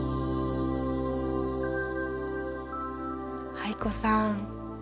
藍子さん